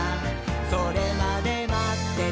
「それまでまっててねー！」